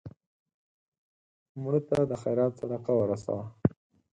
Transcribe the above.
مړه ته د خیرات صدقه ورسوه